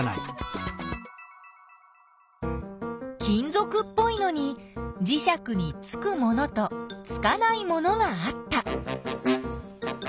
金ぞくっぽいのにじしゃくにつくものとつかないものがあった。